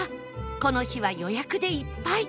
この日は予約でいっぱい